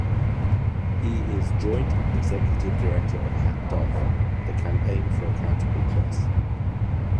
He is Joint Executive Director of Hacked Off, the campaign for an accountable press.